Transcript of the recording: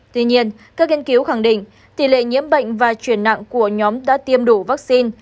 tuy nhiên các nghiên cứu khẳng định tỷ lệ nhiễm bệnh và chuyển nặng của nhóm đã tiêm đủ vaccine